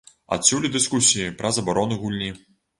Адсюль і дыскусіі пра забарону гульні.